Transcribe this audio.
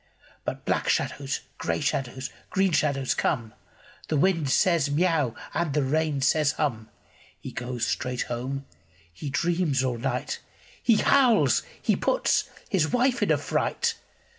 But black shadows, grey shadows, green shadows come. The wind says, " Miau !" and the rain says, « Hum !" He goes straight home. He dreams all night. He howls. He puts his wife in a fright.